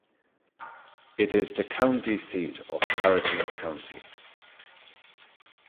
It is the county seat of Harrison County.